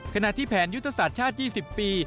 ขณะที่แผนยุทธศาสตร์ชาติ๒๐ปี